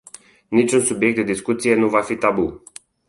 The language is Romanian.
Niciun subiect de discuție nu va fi tabu.